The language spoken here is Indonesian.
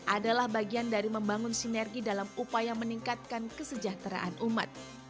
adalah bagian dari membangun sinergi dalam upaya meningkatkan kesejahteraan umat